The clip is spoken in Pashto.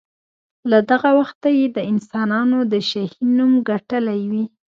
له دغه وخته یې د انسانانو د شهین نوم ګټلی وي.